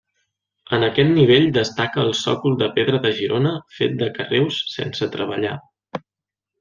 En aquest nivell destaca el sòcol de pedra de Girona fet de carreus sense treballar.